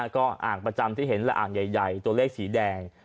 ก็อ่างประจำที่เห็นและอ่างใหญ่ตัวเลขสีแดง